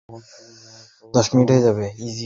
এটা আমার কুকুর!